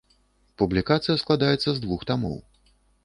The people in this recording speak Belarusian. Публікацыя складаецца з двух тамоў.